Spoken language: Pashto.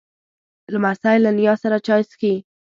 لمسی له نیا سره چای څښي.